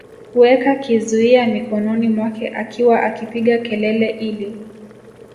kuweka kizuia mikononi mwake akiwa akipiga kelele ili